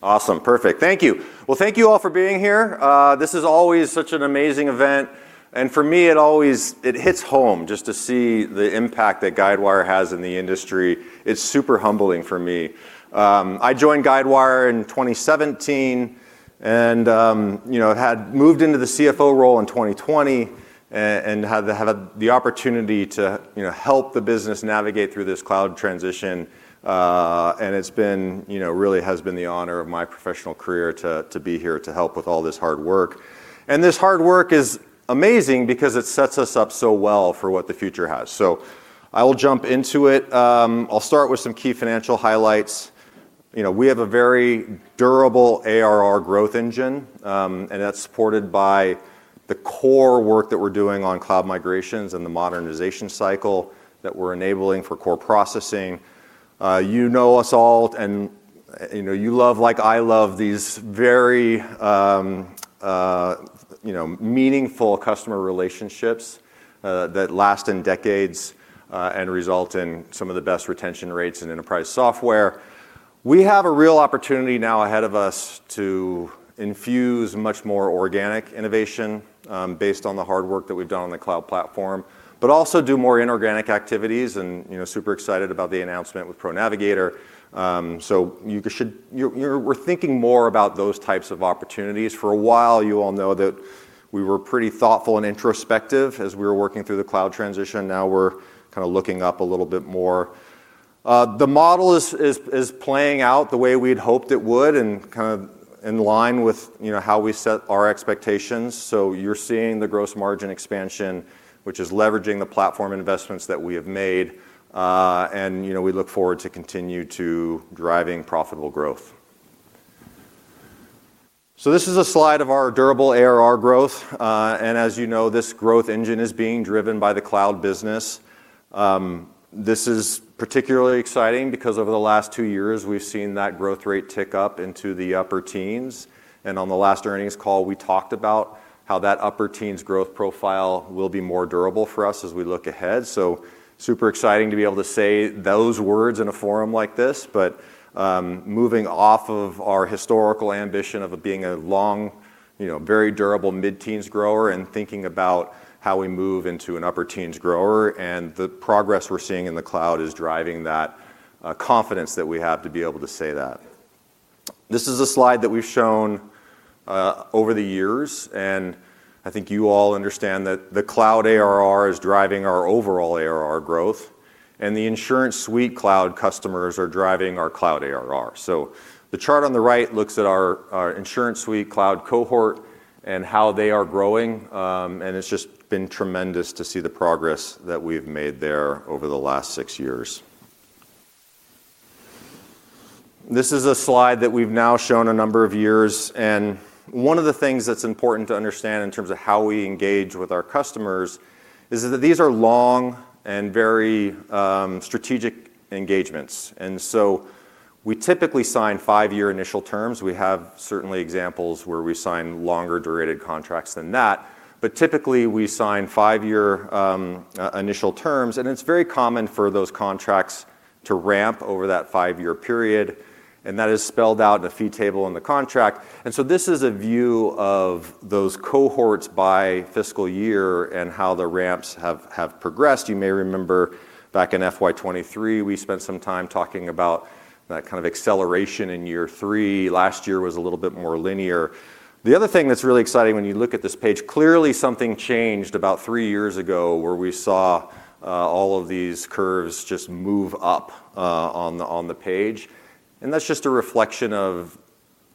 Awesome. Perfect. Thank you. Thank you all for being here. This is always such an amazing event. For me, it always hits home just to see the impact that Guidewire has in the industry. It's super humbling for me. I joined Guidewire in 2017 and had moved into the CFO role in 2020 and had the opportunity to help the business navigate through this cloud transition. It really has been the honor of my professional career to be here to help with all this hard work. This hard work is amazing because it sets us up so well for what the future has. I will jump into it. I'll start with some key financial highlights. We have a very durable ARR growth engine, and that's supported by the core work that we're doing on cloud migrations and the modernization cycle that we're enabling for core insurance processing systems. You know us all, and you love, like I love, these very meaningful customer relationships that last in decades and result in some of the best retention rates in enterprise software. We have a real opportunity now ahead of us to infuse much more organic innovation based on the hard work that we've done on the Guidewire Cloud Platform, but also do more inorganic activities. I'm super excited about the announcement with ProNavigator. We're thinking more about those types of opportunities. For a while, you all know that we were pretty thoughtful and introspective as we were working through the cloud transition. Now we're kind of looking up a little bit more. The model is playing out the way we'd hoped it would and kind of in line with how we set our expectations. You're seeing the gross margin expansion, which is leveraging the platform investments that we have made. We look forward to continue to driving profitable growth. This is a slide of our durable ARR growth. As you know, this growth engine is being driven by the cloud business. This is particularly exciting because over the last two years, we've seen that growth rate tick up into the upper teens. On the last earnings call, we talked about how that upper teens growth profile will be more durable for us as we look ahead. It's super exciting to be able to say those words in a forum like this. Moving off of our historical ambition of being a long, very durable mid-teens grower and thinking about how we move into an upper teens grower and the progress we're seeing in the cloud is driving that confidence that we have to be able to say that. This is a slide that we've shown over the years. I think you all understand that the cloud ARR is driving our overall ARR growth. The InsuranceSuite Cloud customers are driving our cloud ARR. The chart on the right looks at our InsuranceSuite Cloud cohort and how they are growing. It has just been tremendous to see the progress that we've made there over the last six years. This is a slide that we've now shown a number of years. One of the things that's important to understand in terms of how we engage with our customers is that these are long and very strategic engagements. We typically sign five-year initial terms. We have certainly examples where we sign longer durated contracts than that. Typically, we sign five-year initial terms. It is very common for those contracts to ramp over that five-year period. That is spelled out in a fee table in the contract. This is a view of those cohorts by fiscal year and how the ramps have progressed. You may remember back in FY 2023, we spent some time talking about that kind of acceleration in year three. Last year was a little bit more linear. The other thing that's really exciting when you look at this page, clearly something changed about three years ago where we saw all of these curves just move up on the page. That is just a reflection of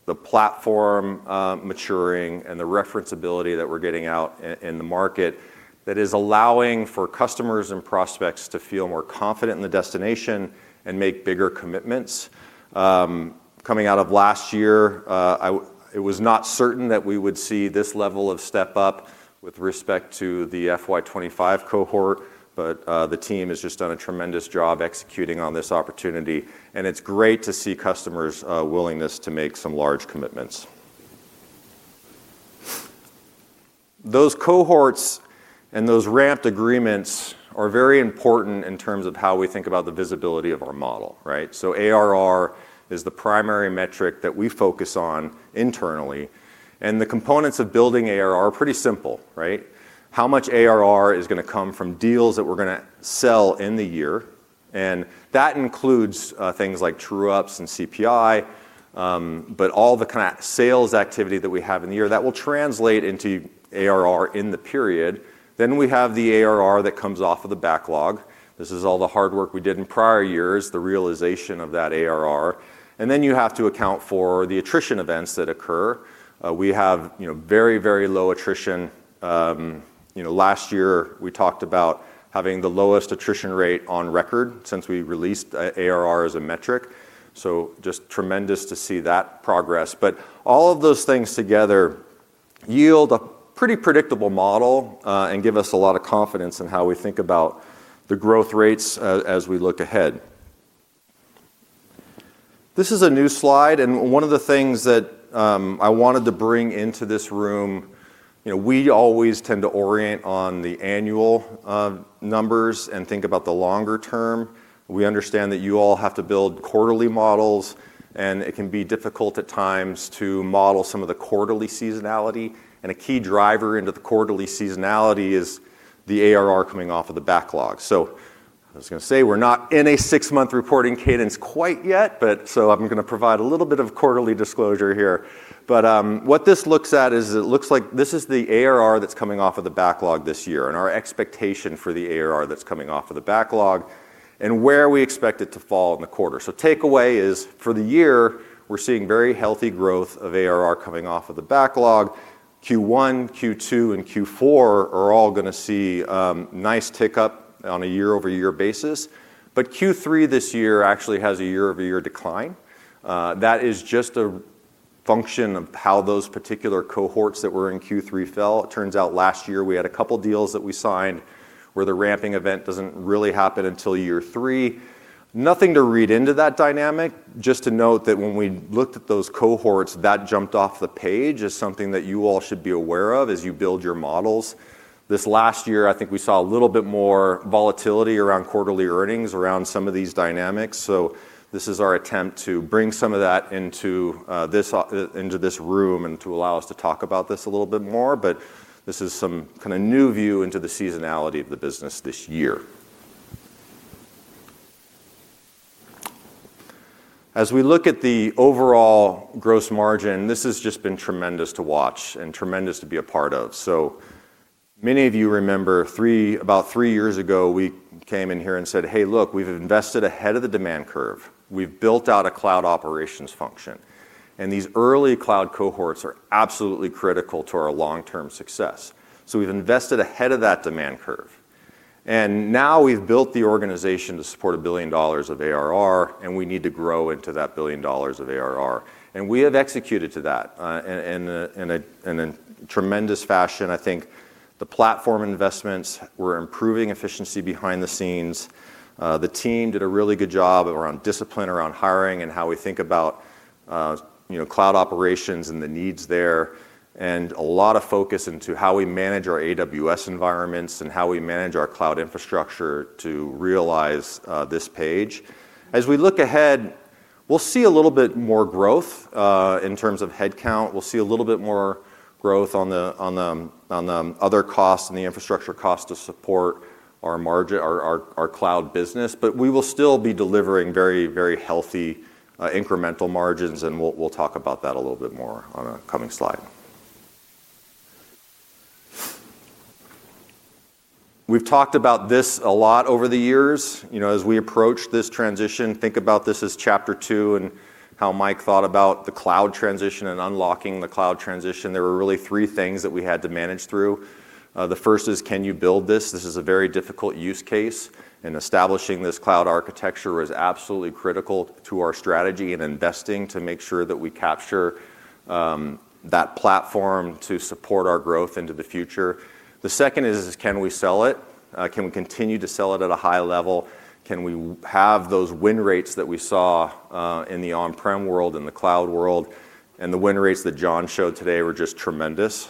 the platform maturing and the referenceability that we're getting out in the market that is allowing for customers and prospects to feel more confident in the destination and make bigger commitments. Coming out of last year, it was not certain that we would see this level of step up with respect to the FY 2025 cohort. The team has just done a tremendous job executing on this opportunity. It is great to see customers' willingness to make some large commitments. Those cohorts and those ramped agreements are very important in terms of how we think about the visibility of our model. ARR is the primary metric that we focus on internally. The components of building ARR are pretty simple. How much ARR is going to come from deals that we're going to sell in the year? That includes things like true ups and CPI, but all the kind of sales activity that we have in the year that will translate into ARR in the period. Then we have the ARR that comes off of the backlog. This is all the hard work we did in prior years, the realization of that ARR. You have to account for the attrition events that occur. We have very, very low attrition. Last year, we talked about having the lowest attrition rate on record since we released ARR as a metric. Just tremendous to see that progress. All of those things together yield a pretty predictable model and give us a lot of confidence in how we think about the growth rates as we look ahead. This is a new slide. One of the things that I wanted to bring into this room, we always tend to orient on the annual numbers and think about the longer-term. We understand that you all have to build quarterly models. It can be difficult at times to model some of the quarterly seasonality. A key driver into the quarterly seasonality is the ARR coming off of the backlog. I was going to say we're not in a six-month reporting cadence quite yet. I'm going to provide a little bit of quarterly disclosure here. What this looks at is it looks like this is the ARR that's coming off of the backlog this year and our expectation for the ARR that's coming off of the backlog and where we expect it to fall in the quarter. Takeaway is for the year, we're seeing very healthy growth of ARR coming off of the backlog. Q1, Q2, and Q4 are all going to see a nice tick up on a year-over-year basis. Q3 this year actually has a year-over-year decline. That is just a function of how those particular cohorts that were in Q3 fell. It turns out last year, we had a couple of deals that we signed where the ramping event doesn't really happen until year three. Nothing to read into that dynamic. Just to note that when we looked at those cohorts, that jumped off the page as something that you all should be aware of as you build your models. Last year, I think we saw a little bit more volatility around quarterly earnings around some of these dynamics. This is our attempt to bring some of that into this room and to allow us to talk about this a little bit more. This is some kind of new view into the seasonality of the business this year. As we look at the overall gross margin, this has just been tremendous to watch and tremendous to be a part of. Many of you remember about three years ago, we came in here and said, hey, look, we've invested ahead of the demand curve. We've built out a cloud operations function. These early cloud cohorts are absolutely critical to our long-term success. We've invested ahead of that demand curve. Now we've built the organization to support a billion dollars of ARR. We need to grow into that billion dollars of ARR. We have executed to that in a tremendous fashion. I think the platform investments were improving efficiency behind the scenes. The team did a really good job around discipline, around hiring, and how we think about cloud operations and the needs there. There was a lot of focus into how we manage our AWS environments and how we manage our cloud infrastructure to realize this page. As we look ahead, we'll see a little bit more growth in terms of headcount. We'll see a little bit more growth on the other costs and the infrastructure costs to support our cloud business. We will still be delivering very, very healthy incremental margins. We'll talk about that a little bit more on a coming slide. We've talked about this a lot over the years. As we approach this transition, think about this as chapter two and how Mike thought about the cloud transition and unlocking the cloud transition. There were really three things that we had to manage through. The first is, can you build this? This is a very difficult use case. Establishing this cloud architecture was absolutely critical to our strategy and investing to make sure that we capture that platform to support our growth into the future. The second is, can we sell it? Can we continue to sell it at a high level? Can we have those win rates that we saw in the on-prem world, in the cloud world? The win rates that John showed today were just tremendous.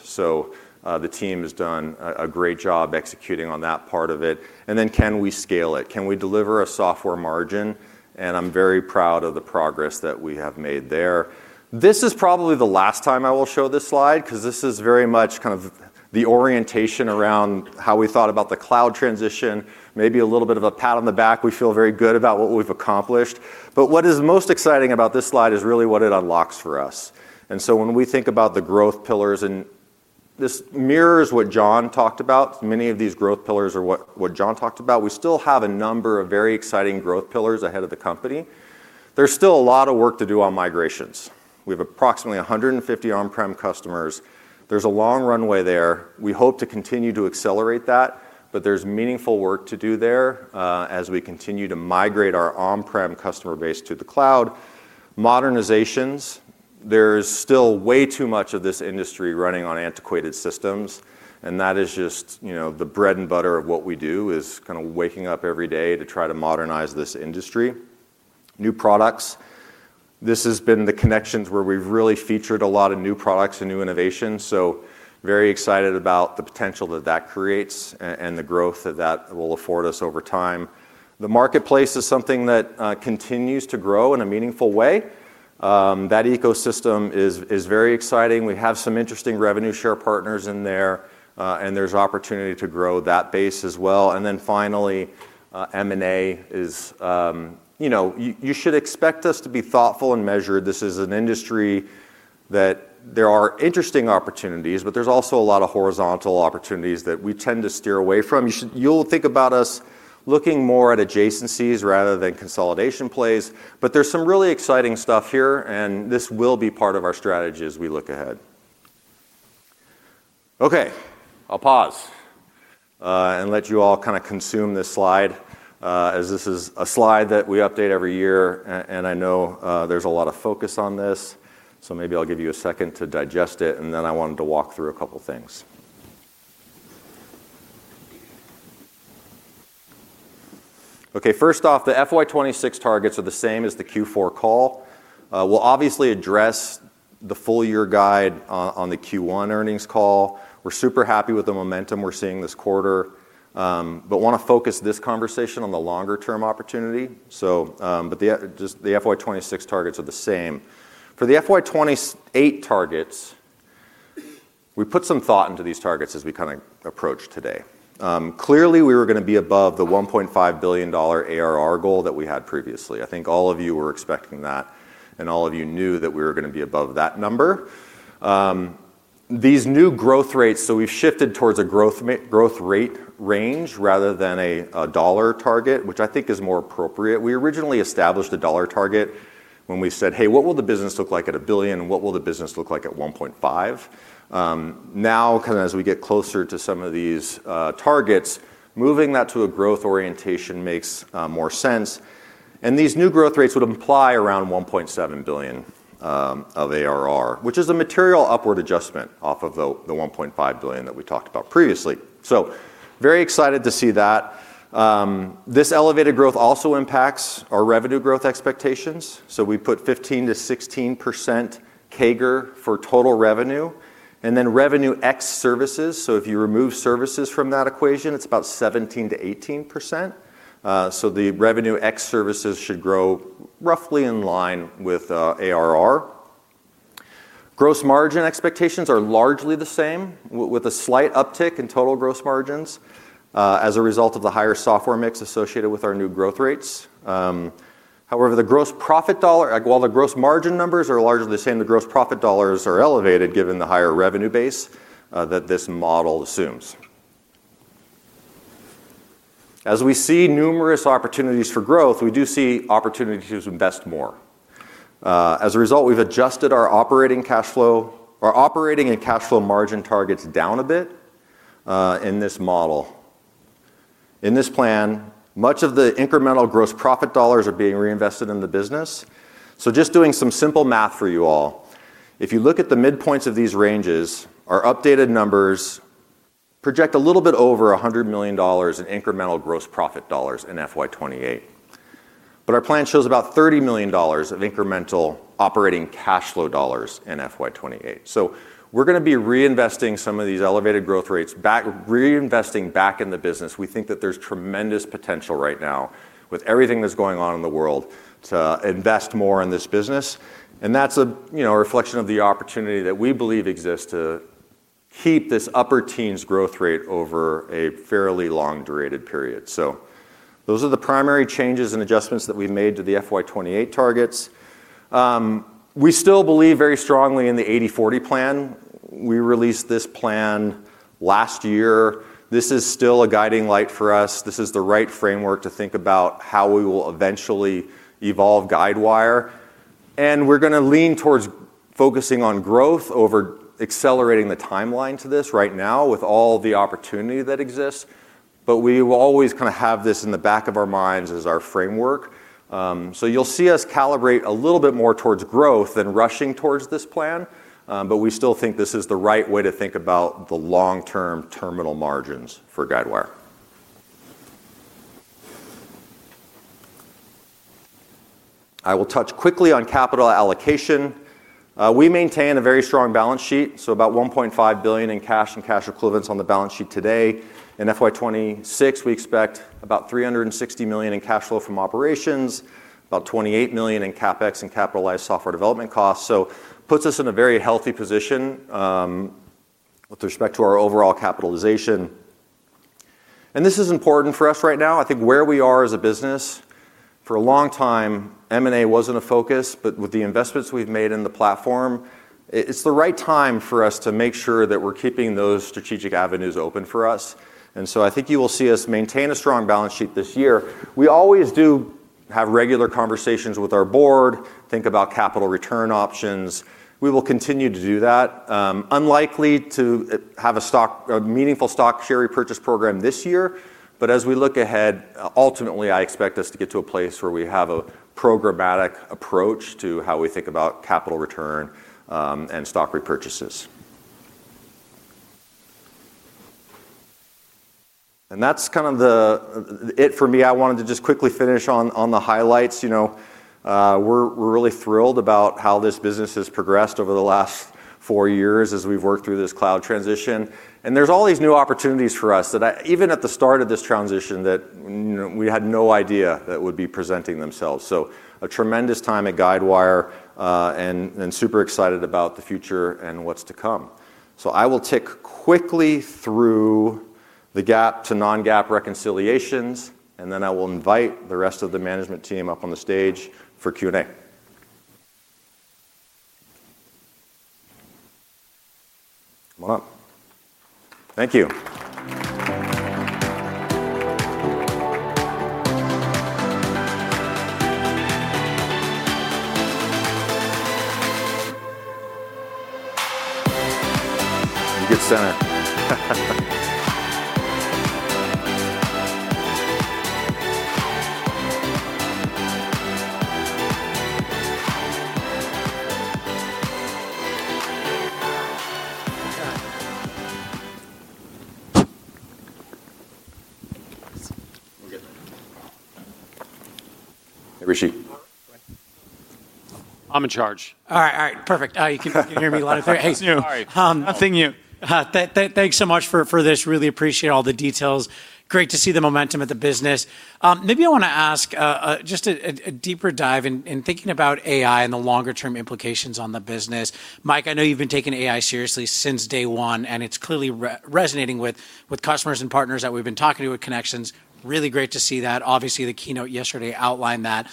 The team has done a great job executing on that part of it. Then can we scale it? Can we deliver a software margin? I'm very proud of the progress that we have made there. This is probably the last time I will show this slide because this is very much kind of the orientation around how we thought about the cloud transition. Maybe a little bit of a pat on the back. We feel very good about what we've accomplished. What is most exciting about this slide is really what it unlocks for us. When we think about the growth pillars, and this mirrors what John talked about. Many of these growth pillars are what John talked about. We still have a number of very exciting growth pillars ahead of the company. There's still a lot of work to do on migrations. We have approximately 150 on-prem customers. There's a long runway there. We hope to continue to accelerate that. There's meaningful work to do there as we continue to migrate our on-prem customer base to the cloud. Modernizations, there's still way too much of this industry running on antiquated systems. That is just the bread and butter of what we do, is kind of waking up every day to try to modernize this industry. New products, this has been the connections where we've really featured a lot of new products and new innovations. Very excited about the potential that that creates and the growth that that will afford us over time. The marketplace is something that continues to grow in a meaningful way. That ecosystem is very exciting. We have some interesting revenue share partners in there, and there's opportunity to grow that base as well. Finally, M&A is, you should expect us to be thoughtful and measured. This is an industry that there are interesting opportunities, but there's also a lot of horizontal opportunities that we tend to steer away from. You'll think about us looking more at adjacencies rather than consolidation plays. There's some really exciting stuff here, and this will be part of our strategy as we look ahead. Okay, I'll pause and let you all kind of consume this slide, as this is a slide that we update every year. I know there's a lot of focus on this, so maybe I'll give you a second to digest it. Then I wanted to walk through a couple of things. Okay, first off, the FY 2026 targets are the same as the Q4 call. We'll obviously address the full-year guide on the Q1 earnings call. We're super happy with the momentum we're seeing this quarter, but want to focus this conversation on the longer-term opportunity. The FY 2026 targets are the same. For the FY 2028 targets, we put some thought into these targets as we kind of approach today. Clearly, we were going to be above the $1.5 billion ARR goal that we had previously. I think all of you were expecting that, and all of you knew that we were going to be above that number. These new growth rates, we've shifted towards a growth rate range rather than $1 target, which I think is more appropriate. We originally established $1 target when we said, hey, what will the business look like at $1 billion, and what will the business look like at $1.5 billion? Now, kind of as we get closer to some of these targets, moving that to a growth orientation makes more sense. These new growth rates would imply around $1.7 billion of ARR, which is a material upward adjustment off of the $1.5 billion that we talked about previously. Very excited to see that. This elevated growth also impacts our revenue growth expectations. We put 15%-16% CAGR for total revenue, and then revenue ex-services. If you remove services from that equation, it's about 17%-18%. The revenue ex-services should grow roughly in line with ARR. Gross margin expectations are largely the same, with a slight uptick in total gross margins as a result of the higher software mix associated with our new growth rates. However, the gross profit dollar, while the gross margin numbers are largely the same, the gross profit dollars are elevated given the higher revenue base that this model assumes. As we see numerous opportunities for growth, we do see opportunities to invest more. As a result, we've adjusted our operating cash flow. Our operating and cash flow margin targets are down a bit in this model. In this plan, much of the incremental gross profit dollars are being reinvested in the business. Just doing some simple math for you all, if you look at the midpoints of these ranges, our updated numbers project a little bit over $100 million in incremental gross profit dollars in FY 2028, but our plan shows about $30 million of incremental operating cash flow dollars in FY 2028. We're going to be reinvesting some of these elevated growth rates, reinvesting back in the business. We think that there's tremendous potential right now with everything that's going on in the world to invest more in this business. That's a reflection of the opportunity that we believe exists to keep this upper teens growth rate over a fairly long durated period. Those are the primary changes and adjustments that we've made to the FY 2028 targets. We still believe very strongly in the 80/40 plan. We released this plan last year. This is still a guiding light for us. This is the right framework to think about how we will eventually evolve Guidewire. We're going to lean towards focusing on growth over accelerating the timeline to this right now with all the opportunity that exists. We will always kind of have this in the back of our minds as our framework. You'll see us calibrate a little bit more towards growth than rushing towards this plan. We still think this is the right way to think about the long-term terminal margins for Guidewire. I will touch quickly on capital allocation. We maintain a very strong balance sheet, so about $1.5 billion in cash and cash equivalents on the balance sheet today. In FY 2026, we expect about $360 million in cash flow from operations, about $28 million in CapEx and capitalized software development costs. It puts us in a very healthy position with respect to our overall capitalization. This is important for us right now. I think where we are as a business, for a long time, M&A wasn't a focus. With the investments we've made in the platform, it's the right time for us to make sure that we're keeping those strategic avenues open for us. I think you will see us maintain a strong balance sheet this year. We always do have regular conversations with our board, think about capital return options. We will continue to do that. Unlikely to have a meaningful stock share repurchase program this year. As we look ahead, ultimately, I expect us to get to a place where we have a programmatic approach to how we think about capital return and stock repurchases. That's kind of it for me. I wanted to just quickly finish on the highlights. We're really thrilled about how this business has progressed over the last four years as we've worked through this cloud transition. There are all these new opportunities for us that even at the start of this transition that we had no idea that would be presenting themselves. A tremendous time at Guidewire and super excited about the future and what's to come. I will tick quickly through the GAAP to non-GAAP reconciliations and then I will invite the rest of the management team up on the stage for Q&A. Come on up. Thank you. We'll get that. Hey, Rishi. I'm in charge. All right. Perfect. You can hear me loud and clear? Hey, it's new. All right. Thank you. Thanks so much for this. Really appreciate all the details. Great to see the momentum of the business. Maybe I want to ask just a deeper dive in thinking about AI and the longer-term implications on the business. Mike, I know you've been taking AI seriously since day one. It's clearly resonating with customers and partners that we've been talking to with connections. Really great to see that. Obviously, the keynote yesterday outlined that.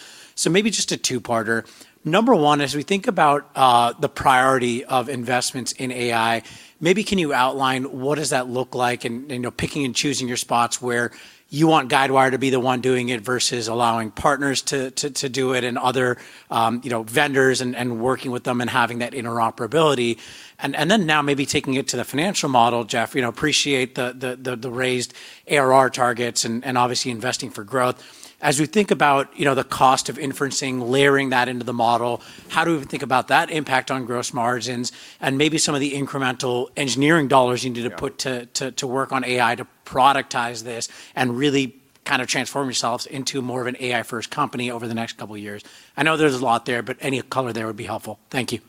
Maybe just a two-parter. Number one, as we think about the priority of investments in AI, can you outline what does that look like and picking and choosing your spots where you want Guidewire Software to be the one doing it versus allowing partners to do it and other vendors and working with them and having that interoperability? Now maybe taking it to the financial model, Jeff, appreciate the raised ARR targets and obviously investing for growth. As we think about the cost of inferencing, layering that into the model, how do we even think about that impact on gross margins and maybe some of the incremental engineering dollars you need to put to work on AI to productize this and really kind of transform yourselves into more of an AI-first company over the next couple of years? I know there's a lot there. Any color there would be helpful. Thank you.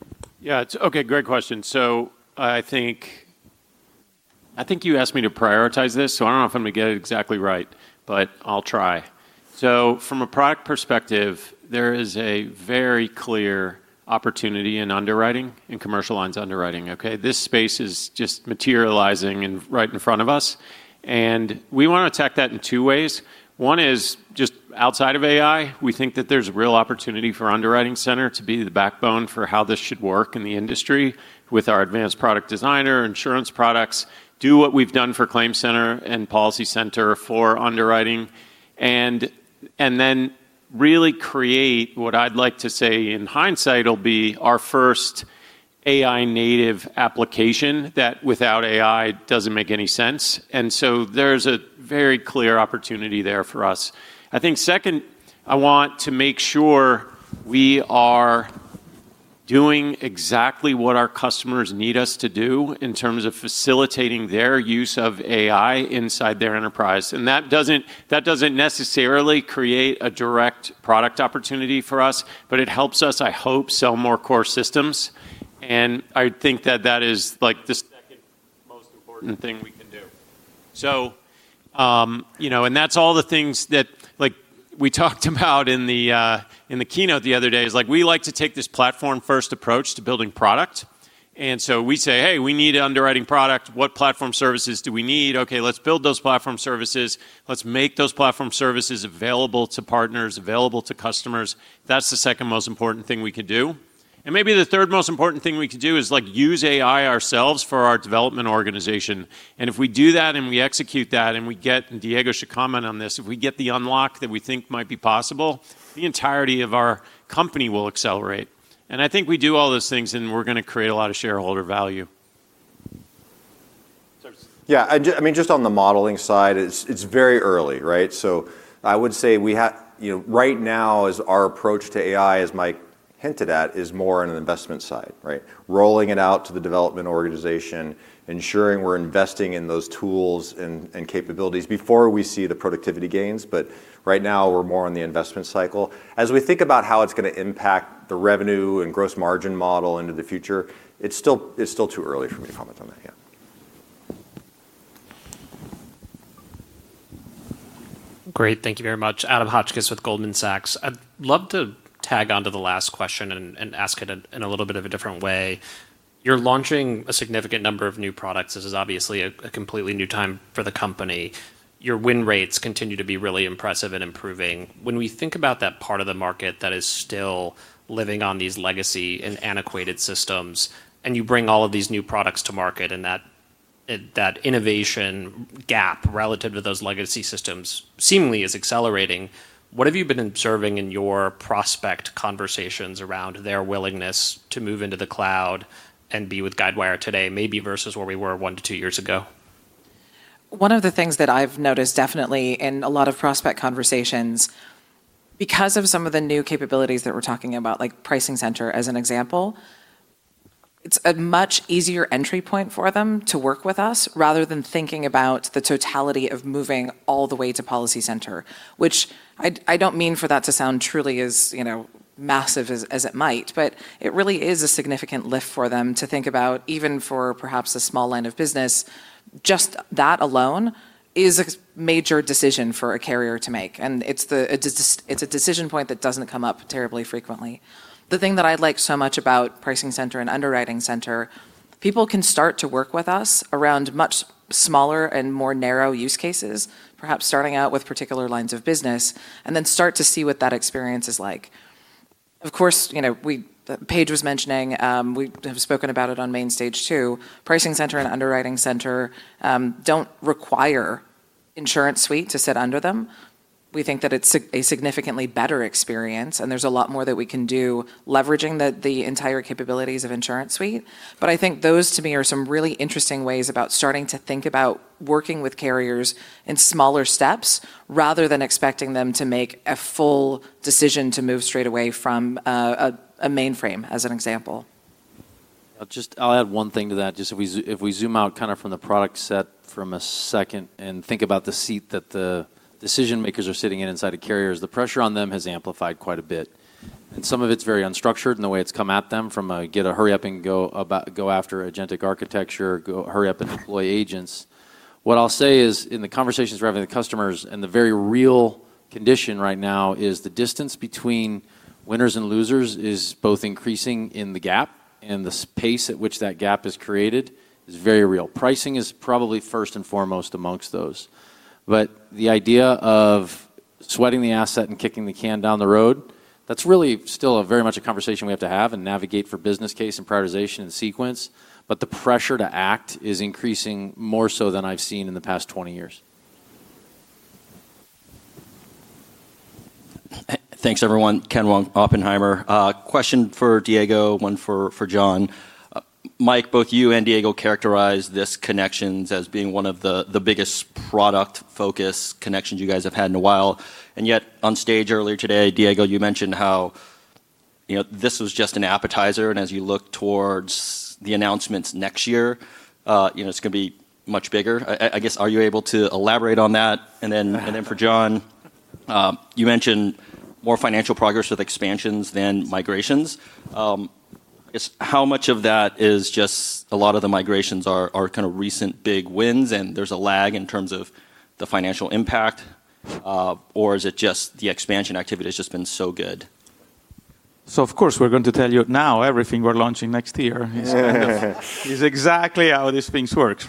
Okay, great question. I think you asked me to prioritize this. I don't know if I'm going to get it exactly right, but I'll try. From a product perspective, there is a very clear opportunity in underwriting and commercial lines underwriting. This space is just materializing right in front of us. We want to attack that in two ways. One is just outside of AI, we think that there's a real opportunity for UnderwritingCenter to be the backbone for how this should work in the industry with our Advanced Product Designer, insurance products, do what we've done for ClaimCenter and PolicyCenter for underwriting, and then really create what I'd like to say in hindsight will be our first AI-native application that without AI doesn't make any sense. There's a very clear opportunity there for us. Second, I want to make sure we are doing exactly what our customers need us to do in terms of facilitating their use of AI inside their enterprise. That doesn't necessarily create a direct product opportunity for us, but it helps us, I hope, sell more core systems. I think that is the second most important thing we can do. That's all the things that we talked about in the keynote the other day. We like to take this platform-first approach to building product. We say, hey, we need an underwriting product. What platform services do we need? Okay, let's build those platform services. Let's make those platform services available to partners, available to customers. That's the second most important thing we could do. Maybe the third most important thing we could do is use AI ourselves for our development organization. If we do that and we execute that and we get Diego should comment on this. If we get the unlock that we think might be possible, the entirety of our company will accelerate. I think we do all those things, and we're going to create a lot of shareholder value. Yeah. I mean, just on the modeling side, it's very early. I would say right now our approach to AI, as Mike hinted at, is more on an investment side, rolling it out to the development organization, ensuring we're investing in those tools and capabilities before we see the productivity gains. Right now, we're more on the investment cycle. As we think about how it's going to impact the revenue and gross margin model into the future, it's still too early for me to comment on that yet. Great. Thank you very much. Adam Hotchkiss with Goldman Sachs. I'd love to tag on to the last question and ask it in a little bit of a different way. You're launching a significant number of new products. This is obviously a completely new time for the company. Your win rates continue to be really impressive and improving. When we think about that part of the market that is still living on these legacy and antiquated systems, and you bring all of these new products to market, and that innovation gap relative to those legacy systems seemingly is accelerating, what have you been observing in your prospect conversations around their willingness to move into the cloud and be with Guidewire today, maybe versus where we were one to two years ago? One of the things that I've noticed definitely in a lot of prospect conversations, because of some of the new capabilities that we're talking about, like PricingCenter as an example, it's a much easier entry point for them to work with us rather than thinking about the totality of moving all the way to PolicyCenter, which I don't mean for that to sound truly as massive as it might. It really is a significant lift for them to think about even for perhaps a small line of business. Just that alone is a major decision for a carrier to make, and it's a decision point that doesn't come up terribly frequently. The thing that I like so much about PricingCenter and UnderwritingCenter, people can start to work with us around much smaller and more narrow use cases, perhaps starting out with particular lines of business, and then start to see what that experience is like. Of course, Paige was mentioning, we have spoken about it on Mainstage too. PricingCenter and UnderwritingCenter don't require InsuranceSuite to sit under them. We think that it's a significantly better experience, and there's a lot more that we can do leveraging the entire capabilities of InsuranceSuite. I think those, to me, are some really interesting ways about starting to think about working with carriers in smaller steps rather than expecting them to make a full decision to move straight away from a mainframe as an example. I'll add one thing to that. If we zoom out from the product set for a second and think about the seat that the decision makers are sitting in inside of carriers, the pressure on them has amplified quite a bit. Some of it's very unstructured in the way it's come at them from a get a hurry up and go after agentic architecture, hurry up and deploy agents. What I'll say is in the conversations driving the customers and the very real condition right now is the distance between winners and losers is both increasing in the gap. The pace at which that gap is created is very real. Pricing is probably first and foremost amongst those. The idea of sweating the asset and kicking the can down the road, that's really still very much a conversation we have to have and navigate for business case and prioritization and sequence. The pressure to act is increasing more so than I've seen in the past 20 years. Thanks, everyone. Ken Wong, Oppenheimer. Question for Diego, one for John. Mike, both you and Diego characterize this Connections as being one of the biggest product focus Connections you guys have had in a while. Yet on stage earlier today, Diego, you mentioned how this was just an appetizer. As you look towards the announcements next year, it's going to be much bigger. I guess are you able to elaborate on that? For John, you mentioned more financial progress with expansions than migrations. I guess how much of that is just a lot of the migrations are kind of recent big wins and there's a lag in terms of the financial impact? Or is it just the expansion activity has just been so good? Of course, we're going to tell you now everything we're launching next year. It's exactly how these things work.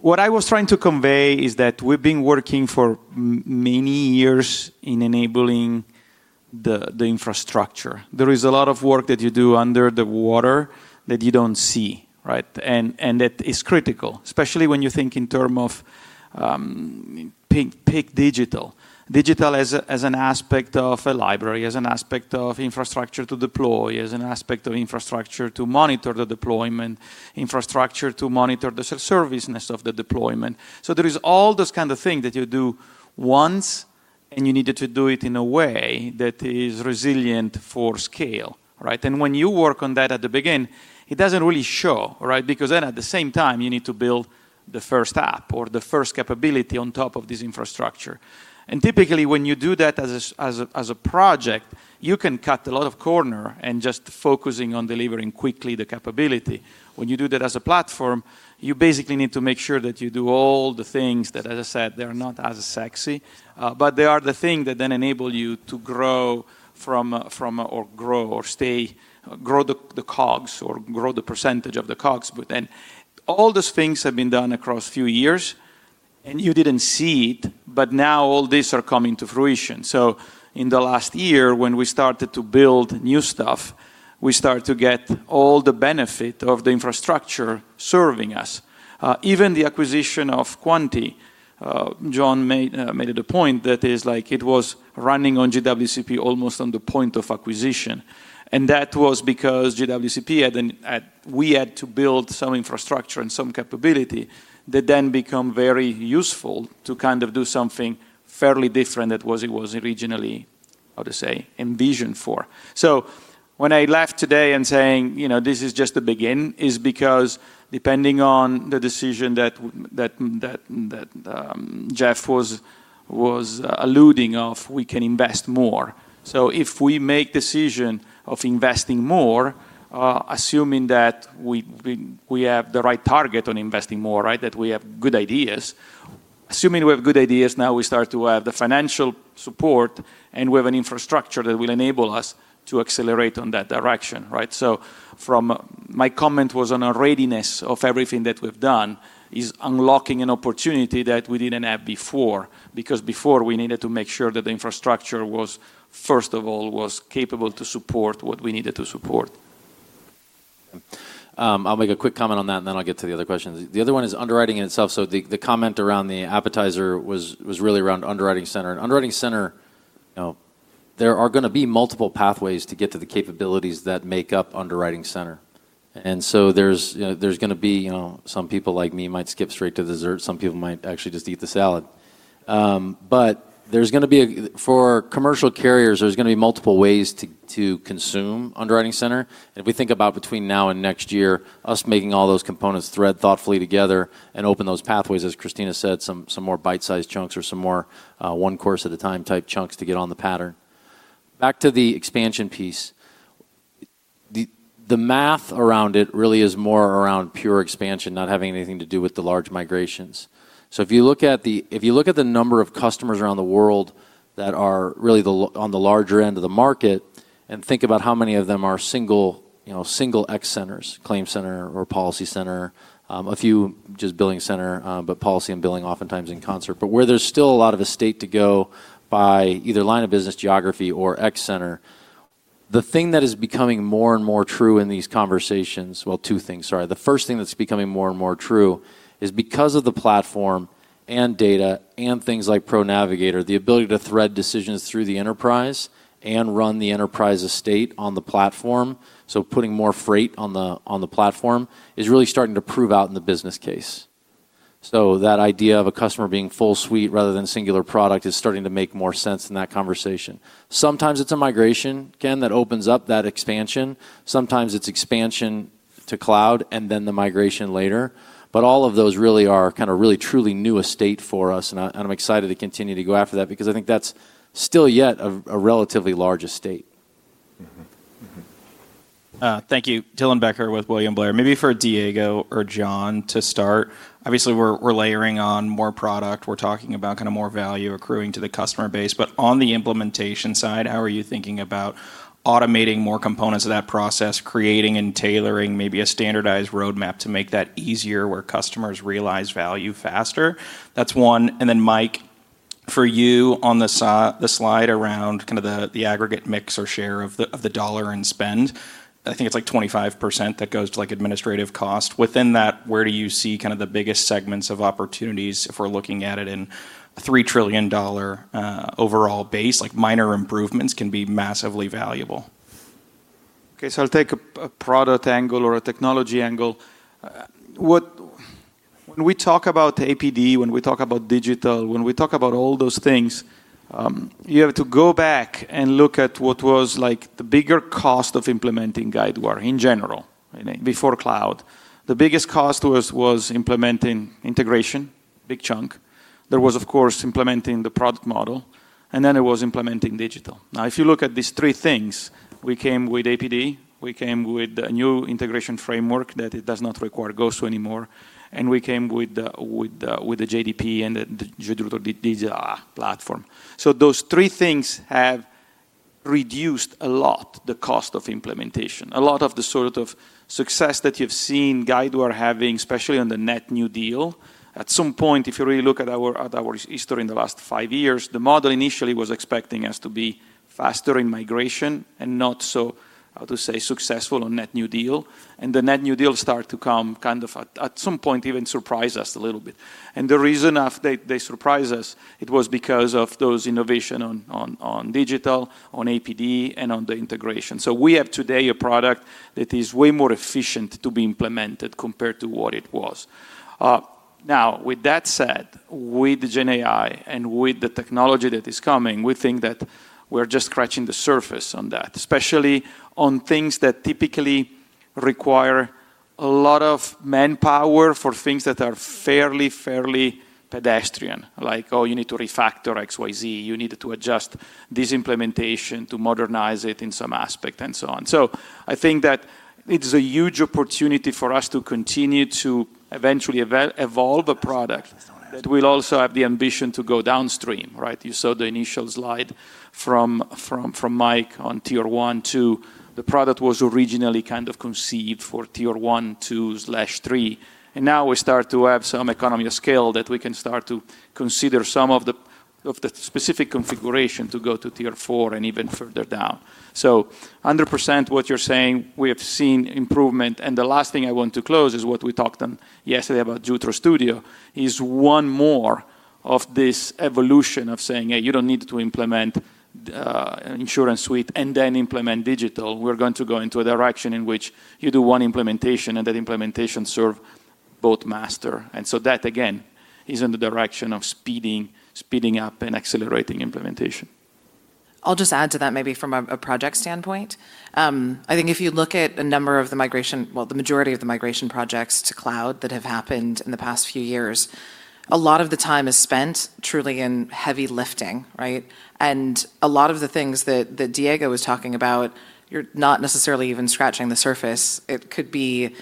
What I was trying to convey is that we've been working for many years in enabling the infrastructure. There is a lot of work that you do under the water that you don't see, and that is critical, especially when you think in terms of digital. Digital as an aspect of a library, as an aspect of infrastructure to deploy, as an aspect of infrastructure to monitor the deployment, infrastructure to monitor the service of the deployment. There are all those kinds of things that you do once, and you need to do it in a way that is resilient for scale. When you work on that at the beginning, it doesn't really show because at the same time, you need to build the first app or the first capability on top of this infrastructure. Typically, when you do that as a project, you can cut a lot of corners and just focus on delivering quickly the capability. When you do that as a platform, you basically need to make sure that you do all the things that, as I said, they are not as sexy, but they are the things that then enable you to grow from or grow or stay, grow the cogs or grow the percentage of the cogs. All those things have been done across a few years, and you didn't see it, but now all these are coming to fruition. In the last year, when we started to build new stuff, we started to get all the benefit of the infrastructure serving us. Even the acquisition of Quanti, John made it a point that it was running on GWCP almost on the point of acquisition, and that was because GWCP had, we had to build some infrastructure and some capability that then becomes very useful to kind of do something fairly different than what it was originally, how to say, envisioned for. When I laugh today and say this is just the beginning, it's because depending on the decision that Jeff was alluding to, we can invest more. If we make a decision of investing more, assuming that we have the right target on investing more, that we have good ideas, assuming we have good ideas, now we start to have the financial support, and we have an infrastructure that will enable us to accelerate in that direction. My comment was on a readiness of everything that we've done is unlocking an opportunity that we didn't have before because before, we needed to make sure that the infrastructure was, first of all, capable to support what we needed to support. I'll make a quick comment on that. Then I'll get to the other questions. The other one is underwriting in itself. The comment around the appetizer was really around UnderwritingCenter. UnderwritingCenter, there are going to be multiple pathways to get to the capabilities that make up UnderwritingCenter. There are going to be some people like me who might skip straight to dessert. Some people might actually just eat the salad. For commercial carriers, there are going to be multiple ways to consume UnderwritingCenter. If we think about between now and next year, us making all those components thread thoughtfully together and open those pathways, as Christina Colby said, some more bite-sized chunks or some more one course at a time type chunks to get on the pattern. Back to the expansion piece, the math around it really is more around pure expansion, not having anything to do with the large migrations. If you look at the number of customers around the world that are really on the larger end of the market and think about how many of them are single X centers, ClaimCenter or PolicyCenter, a few just BillingCenter, but Policy and Billing oftentimes in concert, but where there's still a lot of estate to go by either line of business, geography, or X center. The thing that is becoming more and more true in these conversations, two things, sorry. The first thing that's becoming more and more true is because of the platform and data and things like ProNavigator, the ability to thread decisions through the enterprise and run the enterprise estate on the platform. Putting more freight on the platform is really starting to prove out in the business case. That idea of a customer being full suite rather than singular product is starting to make more sense in that conversation. Sometimes it's a migration, Ken, that opens up that expansion. Sometimes it's expansion to cloud and then the migration later. All of those really are kind of really truly new estate for us. I'm excited to continue to go after that because I think that's still yet a relatively large estate. Thank you. Dylan Becker with William Blair. Maybe for Diego or John to start. Obviously, we're layering on more product. We're talking about kind of more value accruing to the customer base. On the implementation side, how are you thinking about automating more components of that process, creating and tailoring maybe a standardized roadmap to make that easier where customers realize value faster? That's one. Mike, for you on the slide around kind of the aggregate mix or share of the dollar and spend, I think it's like 25% that goes to administrative cost. Within that, where do you see kind of the biggest segments of opportunities if we're looking at it in a $3 trillion overall base? Minor improvements can be massively valuable. OK. I'll take a product angle or a technology angle. When we talk about APD, when we talk about digital, when we talk about all those things, you have to go back and look at what was the bigger cost of implementing Guidewire in general before cloud. The biggest cost was implementing integration, big chunk. There was, of course, implementing the product model. Then it was implementing digital. If you look at these three things, we came with APD. We came with a new integration framework that does not require GOSTO anymore. We came with the JDP and the Jutro digital platform. Those three things have reduced a lot the cost of implementation, a lot of the sort of success that you've seen Guidewire having, especially on the net new deal. At some point, if you really look at our history in the last five years, the model initially was expecting us to be faster in migration and not so, how to say, successful on net new deal. The net new deal started to come kind of at some point even surprise us a little bit. The reason they surprised us was because of those innovations on digital, on APD, and on the integration. We have today a product that is way more efficient to be implemented compared to what it was. With that said, with Gen AI and with the technology that is coming, we think that we're just scratching the surface on that, especially on things that typically require a lot of manpower for things that are fairly, fairly pedestrian. Like, oh, you need to refactor X, Y, Z. You need to adjust this implementation to modernize it in some aspect and so on. I think that it's a huge opportunity for us to continue to eventually evolve a product that will also have the ambition to go downstream. You saw the initial slide from Mike on Tier 1 to the product was originally kind of conceived for Tier 1, 2/3. Now we start to have some economy of scale that we can start to consider some of the specific configuration to go to Tier 4 and even further down. 100% what you're saying, we have seen improvement. The last thing I want to close is what we talked on yesterday about Jutro Studio is one more of this evolution of saying, hey, you don't need to implement InsuranceSuite and then implement digital. We're going to go into a direction in which you do one implementation and that implementation serves both master. That, again, is in the direction of speeding up and accelerating implementation. I'll just add to that maybe from a project standpoint. I think if you look at a number of the migration, well, the majority of the migration projects to cloud that have happened in the past few years, a lot of the time is spent truly in heavy lifting. A lot of the things that Diego was talking about, you're not necessarily even scratching the surface. It could be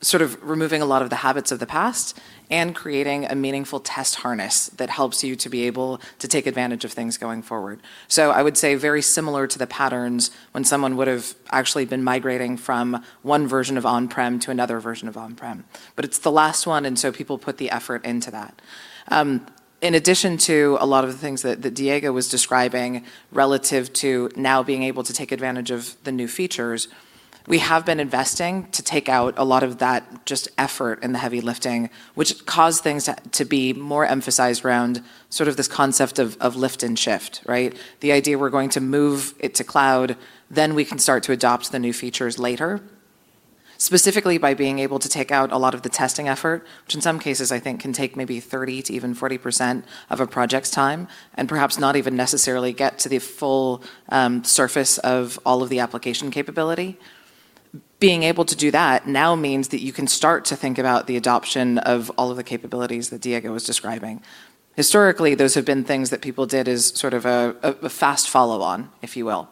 sort of removing a lot of the habits of the past and creating a meaningful test harness that helps you to be able to take advantage of things going forward. I would say very similar to the patterns when someone would have actually been migrating from one version of on-prem to another version of on-prem, but it's the last one. People put the effort into that. In addition to a lot of the things that Diego was describing relative to now being able to take advantage of the new features, we have been investing to take out a lot of that just effort and the heavy lifting, which caused things to be more emphasized around sort of this concept of lift and shift. The idea we're going to move it to cloud, then we can start to adopt the new features later, specifically by being able to take out a lot of the testing effort, which in some cases I think can take maybe 30% to even 40% of a project's time and perhaps not even necessarily get to the full surface of all of the application capability. Being able to do that now means that you can start to think about the adoption of all of the capabilities that Diego was describing. Historically, those have been things that people did as sort of a fast follow-on, if you will.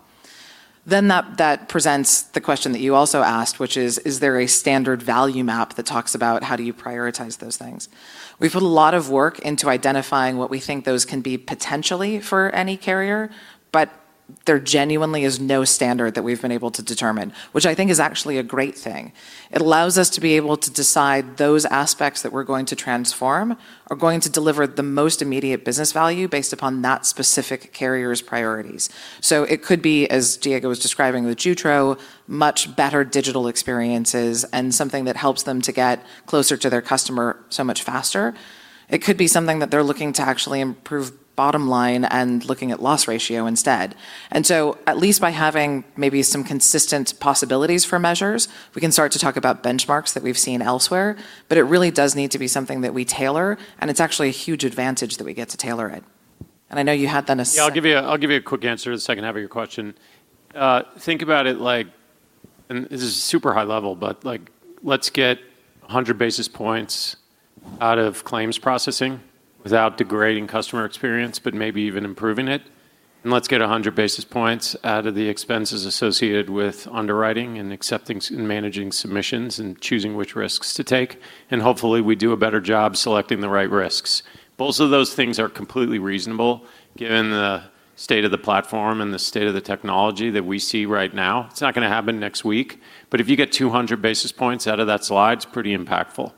That presents the question that you also asked, which is, is there a standard value map that talks about how do you prioritize those things? We put a lot of work into identifying what we think those can be potentially for any carrier. There genuinely is no standard that we've been able to determine, which I think is actually a great thing. It allows us to be able to decide those aspects that we're going to transform are going to deliver the most immediate business value based upon that specific carrier's priorities. It could be, as Diego was describing with Jutro, much better digital experiences and something that helps them to get closer to their customer so much faster. It could be something that they're looking to actually improve bottom line and looking at loss ratio instead. At least by having maybe some consistent possibilities for measures, we can start to talk about benchmarks that we've seen elsewhere. It really does need to be something that we tailor. It's actually a huge advantage that we get to tailor it. I know you had then a. Yeah. I'll give you a quick answer to the second half of your question. Think about it like, and this is super high level, but let's get 100 basis points out of claims processing without degrading customer experience, maybe even improving it. Let's get 100 basis points out of the expenses associated with underwriting and accepting and managing submissions and choosing which risks to take. Hopefully, we do a better job selecting the right risks. Both of those things are completely reasonable given the state of the platform and the state of the technology that we see right now. It's not going to happen next week. If you get 200 basis points out of that slide, it's pretty impactful.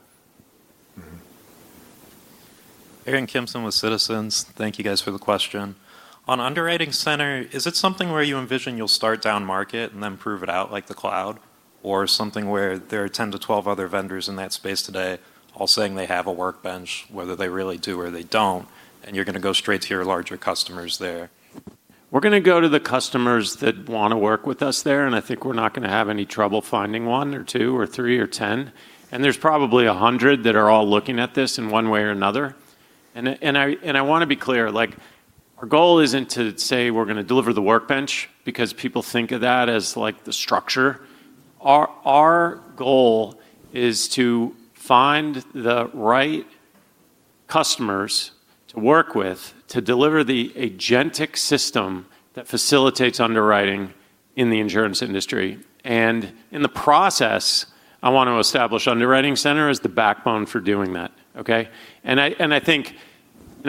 Aaron Kimson with Citizens. Thank you guys for the question. On UnderwritingCenter, is it something where you envision you'll start down market and then prove it out like the cloud? Or something where there are 10-12 other vendors in that space today all saying they have a workbench, whether they really do or they don't? You're going to go straight to your larger customers there. We're going to go to the customers that want to work with us there. I think we're not going to have any trouble finding one or two or three or 10. There's probably 100 that are all looking at this in one way or another. I want to be clear. Our goal isn't to say we're going to deliver the workbench because people think of that as the structure. Our goal is to find the right customers to work with to deliver the agentic system that facilitates underwriting in the insurance industry. In the process, I want to establish UnderwritingCenter as the backbone for doing that. I think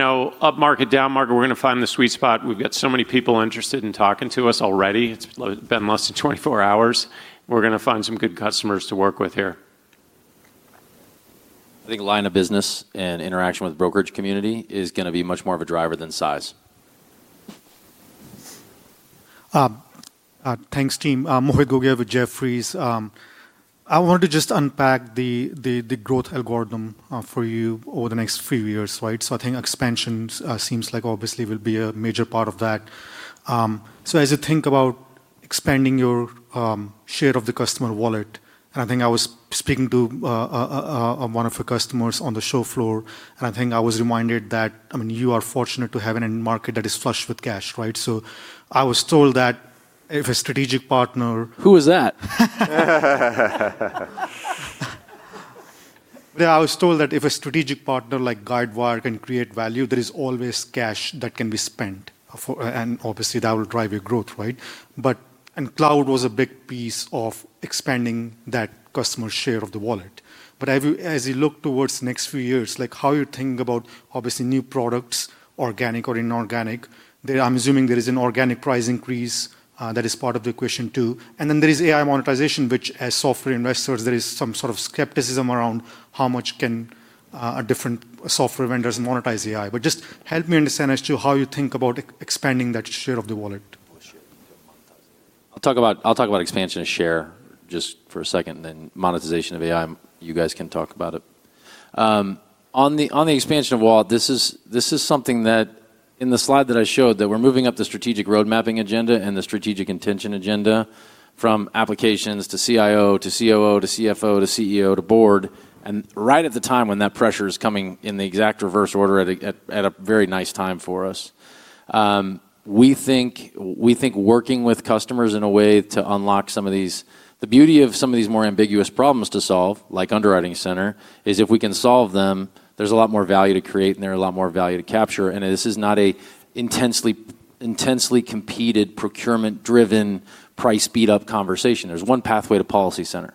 up market, down market, we're going to find the sweet spot. We've got so many people interested in talking to us already. It's been less than 24 hours. We're going to find some good customers to work with here. I think line of business and interaction with the brokerage community is going to be much more of a driver than size. Thanks, team. Mohit Gogia with Jefferies. I wanted to just unpack the growth algorithm for you over the next few years. I think expansion seems like obviously will be a major part of that. As you think about expanding your share of the customer wallet, I was speaking to one of your customers on the show floor. I was reminded that you are fortunate to have an end market that is flush with cash. I was told that if a strategic partner. Who is that? I was told that if a strategic partner like Guidewire can create value, there is always cash that can be spent. That will drive your growth. Cloud was a big piece of expanding that customer share of the wallet. As you look towards the next few years, how you're thinking about new products, organic or inorganic, I'm assuming there is an organic price increase that is part of the equation too. There is AI monetization, which as software investors, there is some sort of skepticism around how much can different software vendors monetize AI. Just help me understand as to how you think about expanding that share of the wallet. I'll talk about expansion of share just for a second, and then monetization of AI, you guys can talk about it. On the expansion of wallet, this is something that in the slide that I showed that we're moving up the strategic roadmapping agenda and the strategic intention agenda from applications to CIO to COO to CFO to CEO to board. Right at the time when that pressure is coming in the exact reverse order at a very nice time for us, we think working with customers in a way to unlock some of these, the beauty of some of these more ambiguous problems to solve, like UnderwritingCenter, is if we can solve them, there's a lot more value to create, and there is a lot more value to capture. This is not an intensely competed procurement-driven price speed-up conversation. There's one pathway to PolicyCenter.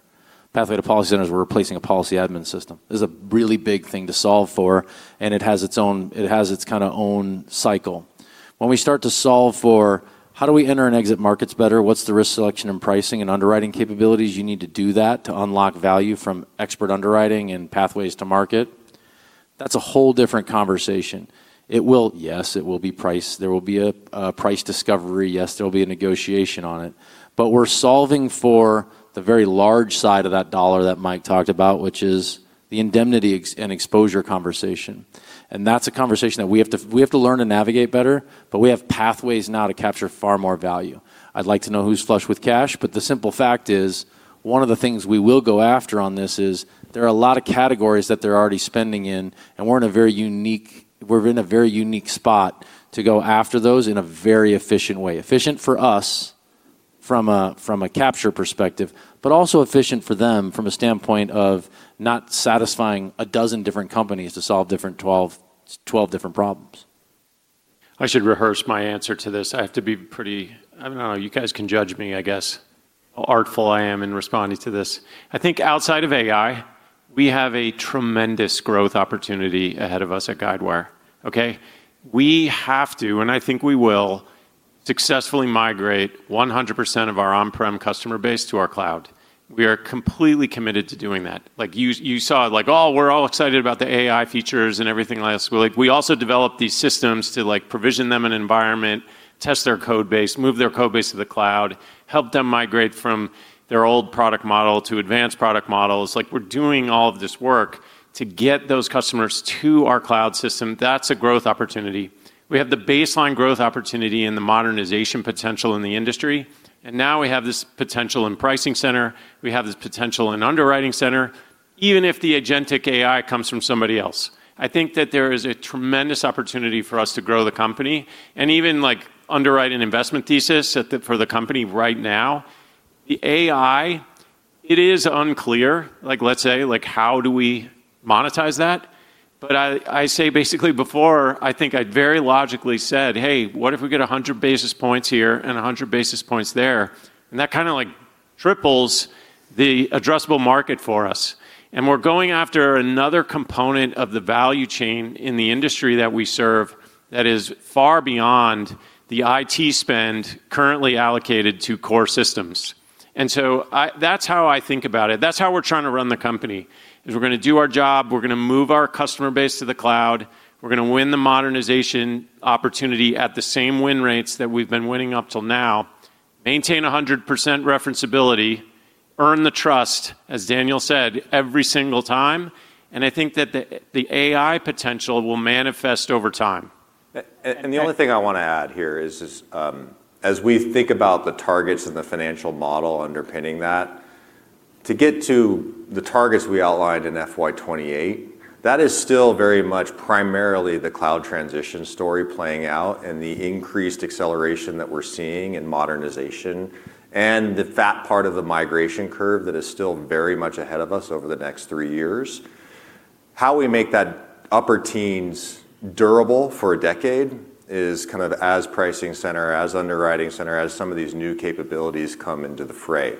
Pathway to PolicyCenter is we're replacing a policy admin system. This is a really big thing to solve for, and it has its kind of own cycle. When we start to solve for how do we enter and exit markets better, what's the risk selection and pricing and underwriting capabilities, you need to do that to unlock value from expert underwriting and pathways to market. That's a whole different conversation. Yes, it will be price. There will be a price discovery. Yes, there will be a negotiation on it. We're solving for the very large side of that dollar that Mike talked about, which is the indemnity and exposure conversation. That's a conversation that we have to learn to navigate better, but we have pathways now to capture far more value. I'd like to know who's flush with cash. The simple fact is one of the things we will go after on this is there are a lot of categories that they're already spending in, and we're in a very unique spot to go after those in a very efficient way, efficient for us from a capture perspective, but also efficient for them from a standpoint of not satisfying a dozen different companies to solve 12 different problems. I should rehearse my answer to this. I have to be pretty, I don't know, you guys can judge me, I guess, how artful I am in responding to this. I think outside of AI, we have a tremendous growth opportunity ahead of us at Guidewire. We have to, and I think we will, successfully migrate 100% of our on-premises customer base to our cloud. We are completely committed to doing that. You saw, we're all excited about the AI features and everything else. We also develop these systems to provision them an environment, test their code base, move their code base to the cloud, help them migrate from their old product model to advanced product models. We're doing all of this work to get those customers to our cloud system. That's a growth opportunity. We have the baseline growth opportunity and the modernization potential in the industry. Now we have this potential in PricingCenter. We have this potential in UnderwritingCenter, even if the agentic AI comes from somebody else. I think that there is a tremendous opportunity for us to grow the company. Even underwriting investment thesis for the company right now, the AI, it is unclear. Let's say, how do we monetize that? I say basically before, I think I very logically said, hey, what if we get 100 basis points here and 100 basis points there? That kind of triples the addressable market for us. We're going after another component of the value chain in the industry that we serve that is far beyond the IT spend currently allocated to core systems. That's how I think about it. That's how we're trying to run the company. We're going to do our job. We're going to move our customer base to the cloud. We're going to win the modernization opportunity at the same win rates that we've been winning up till now, maintain 100% reference-ability, earn the trust, as Daniel said, every single time. I think that the AI potential will manifest over time. The only thing I want to add here is as we think about the targets and the financial model underpinning that, to get to the targets we outlined in FY 2028, that is still very much primarily the cloud transition story playing out and the increased acceleration that we're seeing in modernization and the fat part of the migration curve that is still very much ahead of us over the next three years. How we make that upper teens durable for a decade is kind of as PricingCenter, as UnderwritingCenter, as some of these new capabilities come into the fray.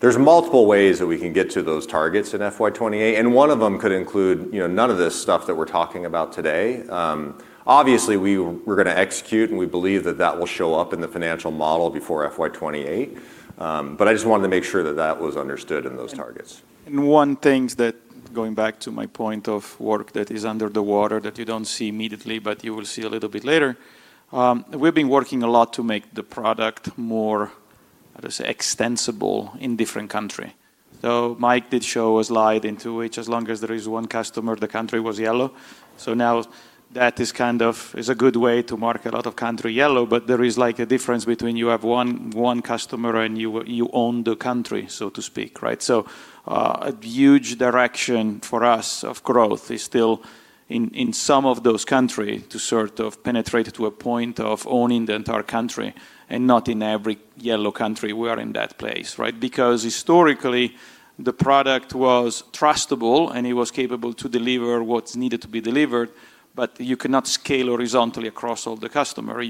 There are multiple ways that we can get to those targets in FY 2028. One of them could include none of this stuff that we're talking about today. Obviously, we're going to execute, and we believe that that will show up in the financial model before FY 2028. I just wanted to make sure that that was understood in those targets. Going back to my point of work that is under the water that you don't see immediately, but you will see a little bit later, we've been working a lot to make the product more, how to say, extensible in different countries. Mike did show a slide into which as long as there is one customer, the country was yellow. That is kind of a good way to mark a lot of country yellow. There is a difference between you have one customer and you own the country, so to speak. A huge direction for us of growth is still in some of those countries to sort of penetrate to a point of owning the entire country, and not in every yellow country we are in that place. Historically, the product was trustable, and it was capable to deliver what needed to be delivered. You cannot scale horizontally across all the customers.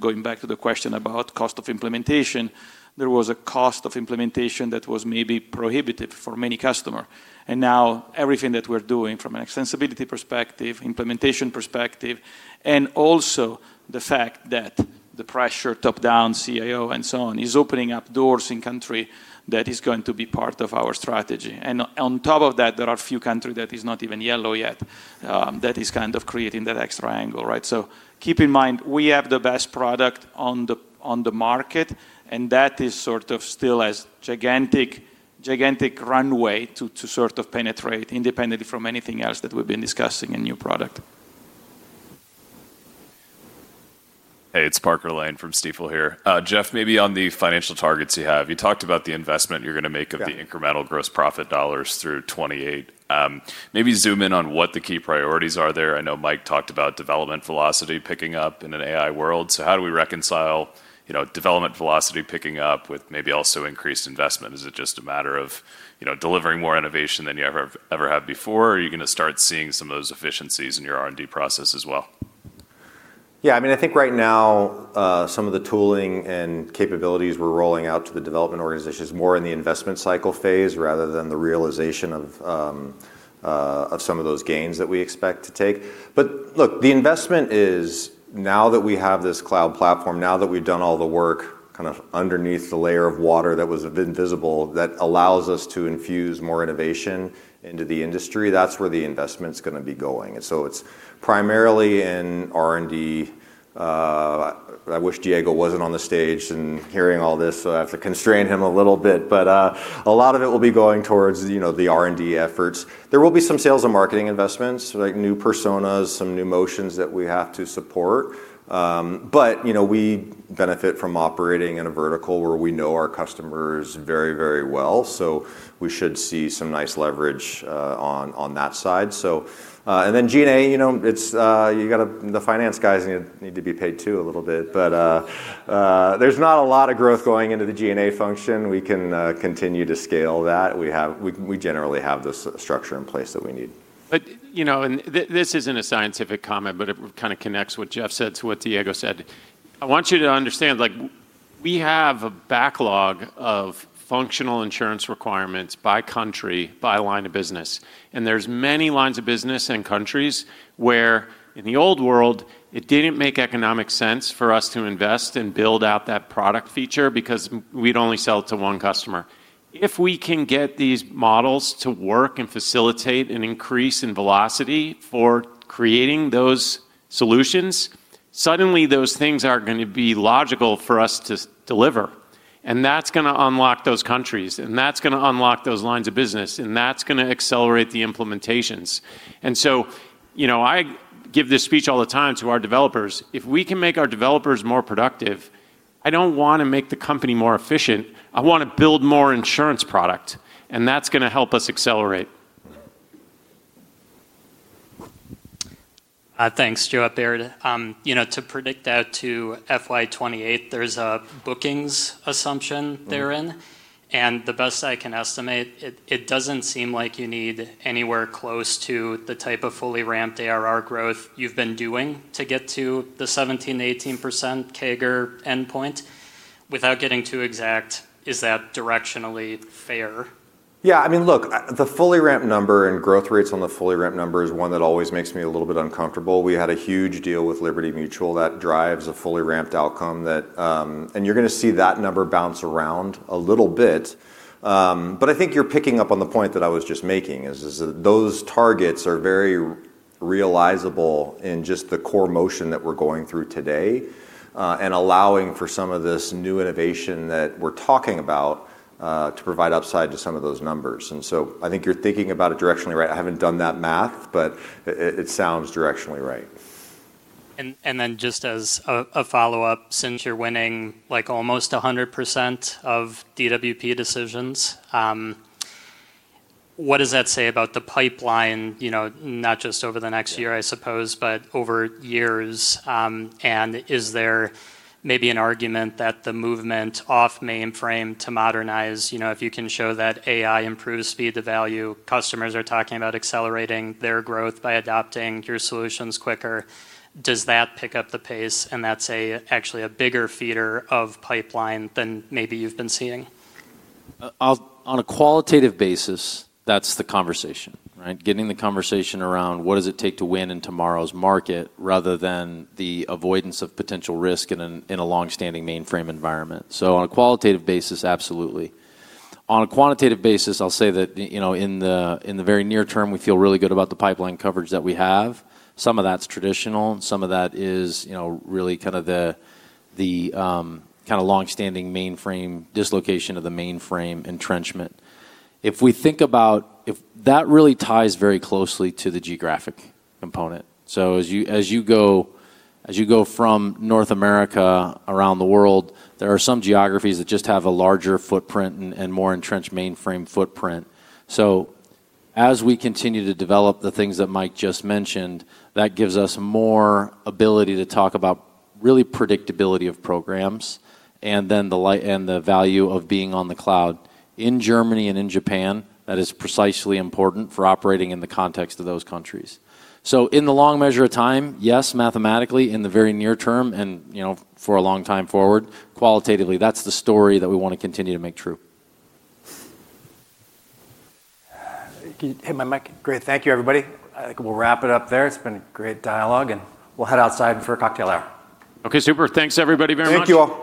Going back to the question about cost of implementation, there was a cost of implementation that was maybe prohibitive for many customers. Now everything that we're doing from an extensibility perspective, implementation perspective, and also the fact that the pressure top-down CIO and so on is opening up doors in countries that is going to be part of our strategy. On top of that, there are a few countries that are not even yellow yet that is kind of creating that extra angle. Keep in mind, we have the best product on the market. That is sort of still a gigantic runway to sort of penetrate independently from anything else that we've been discussing in new product. Hey, it's Parker Lane from Stifel here. Jeff, maybe on the financial targets you have, you talked about the investment you're going to make of the incremental gross profit dollars through 2028. Maybe zoom in on what the key priorities are there. I know Mike talked about development velocity picking up in an AI world. How do we reconcile development velocity picking up with maybe also increased investment? Is it just a matter of delivering more innovation than you ever have before? Are you going to start seeing some of those efficiencies in your R&D process as well? Yeah. I mean, I think right now some of the tooling and capabilities we're rolling out to the development organization is more in the investment cycle phase rather than the realization of some of those gains that we expect to take. The investment is now that we have this cloud platform, now that we've done all the work kind of underneath the layer of water that was invisible that allows us to infuse more innovation into the industry, that's where the investment is going to be going. It's primarily in R&D. I wish Diego Devalle wasn't on the stage and hearing all this. I have to constrain him a little bit. A lot of it will be going towards the R&D efforts. There will be some sales and marketing investments, like new personas, some new motions that we have to support. We benefit from operating in a vertical where we know our customers very, very well. We should see some nice leverage on that side. Then G&A, you've got the finance guys. You need to be paid too a little bit. There's not a lot of growth going into the G&A function. We can continue to scale that. We generally have the structure in place that we need. This is not a scientific comment. It kind of connects what Jeff said to what Diego said. I want you to understand we have a backlog of functional insurance requirements by country, by line of business. There are many lines of business and countries where in the old world, it did not make economic sense for us to invest and build out that product feature because we would only sell it to one customer. If we can get these models to work and facilitate an increase in velocity for creating those solutions, suddenly those things are going to be logical for us to deliver. That is going to unlock those countries. That is going to unlock those lines of business. That is going to accelerate the implementations. I give this speech all the time to our developers. If we can make our developers more productive, I do not want to make the company more efficient. I want to build more insurance product. That is going to help us accelerate. Thanks. Joe up there. To predict out to FY 2028, there's a bookings assumption therein. The best I can estimate, it doesn't seem like you need anywhere close to the type of fully ramped ARR growth you've been doing to get to the 17%, 18% CAGR endpoint. Without getting too exact, is that directionally fair? Yeah. I mean, look, the fully ramped number and growth rates on the fully ramped number is one that always makes me a little bit uncomfortable. We had a huge deal with Liberty Mutual that drives a fully ramped outcome. You're going to see that number bounce around a little bit. I think you're picking up on the point that I was just making. Those targets are very realizable in just the core motion that we're going through today and allowing for some of this new innovation that we're talking about to provide upside to some of those numbers. I think you're thinking about it directionally right. I haven't done that math, but it sounds directionally right. Just as a follow-up, since you're winning almost 100% of DWP decisions, what does that say about the pipeline, not just over the next year, I suppose, but over years? Is there maybe an argument that the movement off mainframe to modernize, if you can show that AI improves speed to value, customers are talking about accelerating their growth by adopting your solutions quicker? Does that pick up the pace? That's actually a bigger feeder of pipeline than maybe you've been seeing? On a qualitative basis, that's the conversation, getting the conversation around what does it take to win in tomorrow's market rather than the avoidance of potential risk in a longstanding mainframe environment. On a qualitative basis, absolutely. On a quantitative basis, I'll say that in the very near-term, we feel really good about the pipeline coverage that we have. Some of that's traditional, and some of that is really kind of the longstanding mainframe dislocation of the mainframe entrenchment. If we think about that, it really ties very closely to the geographic component. As you go from North America around the world, there are some geographies that just have a larger footprint and more entrenched mainframe footprint. As we continue to develop the things that Mike just mentioned, that gives us more ability to talk about really predictability of programs and then the value of being on the cloud in Germany and in Japan, that is precisely important for operating in the context of those countries. In the long measure of time, yes, mathematically in the very near-term and for a long time forward, qualitatively, that's the story that we want to continue to make true. Hey, [Mike]. Great. Thank you, everybody. I think we'll wrap it up there. It's been a great dialogue. We'll head outside for a cocktail hour. OK. Super. Thanks, everybody, very much. Thank you.